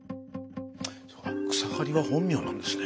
「草刈」は本名なんですね。